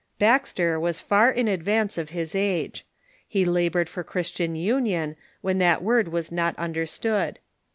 Baxter was far in advance of his age. He labored for Chris tian union when that word was not understood.